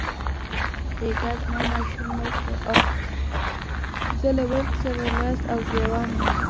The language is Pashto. بیګا زما ماشوم مړ شو او زه له مرګ سره لاس او ګرېوان وم.